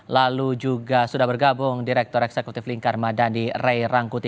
lalu juga sudah bergabung direktur eksekutif lingkar madani ray rangkuti